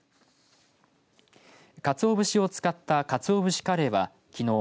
かつお節を使った勝男武士カレーはきのう